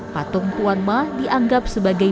patung tuan ma dianggap sebagai